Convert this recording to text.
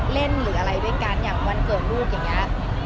หรืออะไรด้วยกันอย่างวันเกิดลูกอย่างนี้